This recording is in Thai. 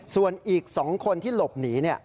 ส่วนอีกสองคนที่หลบหนีเนี่ย